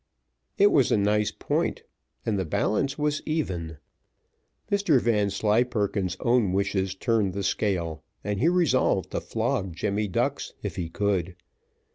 It was a nice point, and the balance was even. Mr Vanslyperken's own wishes turned the scale, and he resolved to flog Jemmy Ducks if he could.